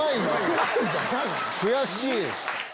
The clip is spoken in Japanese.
悔しい。